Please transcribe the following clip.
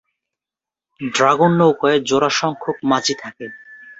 Dragon নৌকায় জোড়া সংখ্যক মাঝি থাকে।